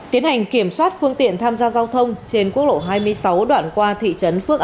tiến hành kiểm soát phương tiện tham gia giao thông trên quốc lộ hai mươi sáu đoạn qua thị trấn phước